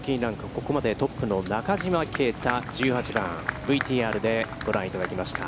ここまでトップの中島啓太、１８番、ＶＴＲでご覧いただきました。